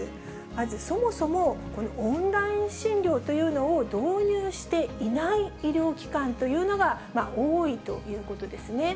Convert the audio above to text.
まず、そもそもこのオンライン診療というのを導入していない医療機関というのが多いということですね。